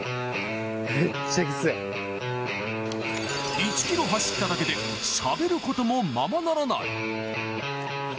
１キロ走っただけでしゃべることも、ままならない。